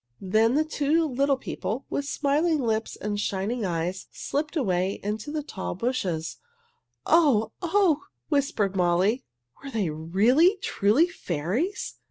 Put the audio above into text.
Then the two little people, with smiling lips and shining eyes, slipped away into the tall bushes. "Oh! oh!" whispered Molly. "Were they really, truly fairies?"